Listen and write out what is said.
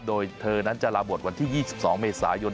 โดยเธอนั้นจะลาบทวันที่๒๒เมษายน